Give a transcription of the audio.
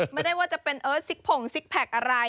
ไม่ได้ว่าจะเป็นเอิร์ทซิกผงซิกแพคอะไร